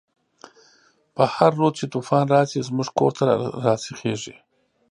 په هر رود چی توفان راشی، زموږ کور ته راسيخيږی